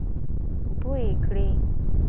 بوی يې کړی.